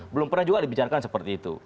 belum pernah juga dibicarakan seperti itu